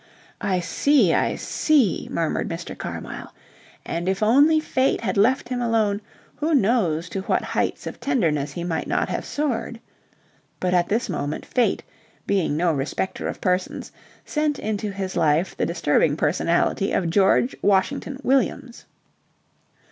"I see, I see," murmured Mr. Carmyle; and if only Fate had left him alone who knows to what heights of tenderness he might not have soared? But at this moment Fate, being no respecter of persons, sent into his life the disturbing personality of George Washington Williams.